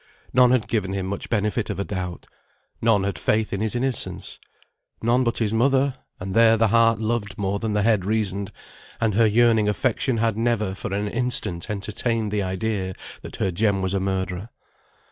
None had given him much benefit of a doubt. None had faith in his innocence. None but his mother; and there the heart loved more than the head reasoned, and her yearning affection had never for an instant entertained the idea that her Jem was a murderer.